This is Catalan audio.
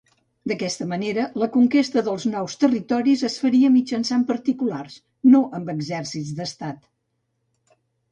D'aquesta manera, la conquesta dels nous territoris es faria mitjançant particulars, no amb exèrcits d'Estat.